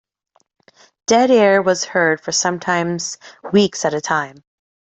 Dead air was heard for sometimes weeks at a time.